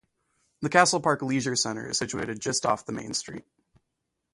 The Castle Park Leisure Centre is situated just off the main street.